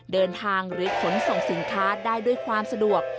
เดินทางหรือขนส่งสินค้าได้ด้วยความสะดวก